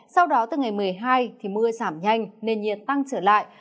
sau đó từ ngày một mươi hai thì mưa giảm nhanh nền nhiệt tăng trở lại